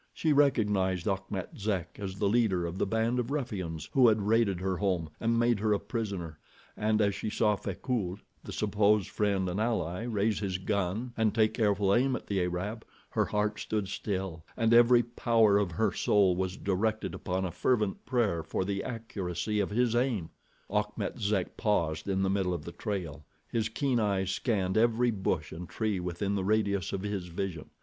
She recognized Achmet Zek as the leader of the band of ruffians who had raided her home and made her a prisoner, and as she saw Frecoult, the supposed friend and ally, raise his gun and take careful aim at the Arab, her heart stood still and every power of her soul was directed upon a fervent prayer for the accuracy of his aim. Achmet Zek paused in the middle of the trail. His keen eyes scanned every bush and tree within the radius of his vision.